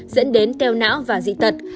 dẫn đến teo não và dị tật